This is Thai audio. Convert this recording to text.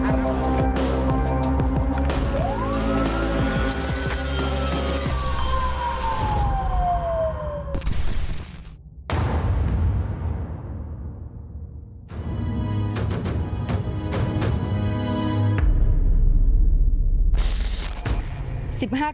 สวัสดีครับ